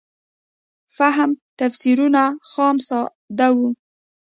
فهم تفسیرونه خام ساده وو.